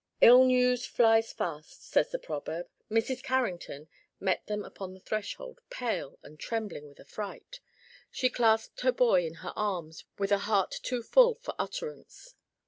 "Ill news flies fast," says the proverb. Mrs. Carrington met them upon the threshold, pale and trembling with affright. She clasped her boy in her arms with a heart too full for utterance.